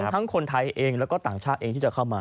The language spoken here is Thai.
ทั้งคนไทยเองแล้วก็ต่างชาติเองที่จะเข้ามา